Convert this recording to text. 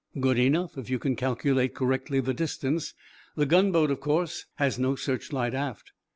"Good enough, if you can calculate correctly the distance. The gunboat, of course, has no searchlight aft."